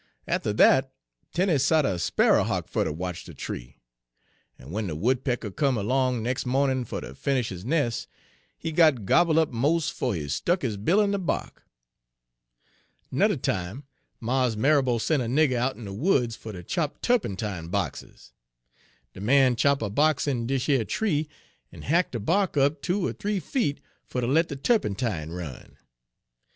Atter dat Tenie sot a sparrer hawk fer ter watch de tree; en w'en de woodpecker come erlong nex' mawnin' fer ter finish his nes', he got gobble' up mos'' fo' he stuck his bill in de bark. "Nudder time, Mars Marrabo sent a nigger out in de woods fer ter chop tuppentime boxes. De man chop a box in dish yer tree, en hack' de bark up two er th'ee feet, fer ter let de tuppentime run.